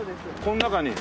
この中に。